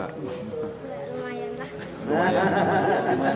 nggak lumayan lah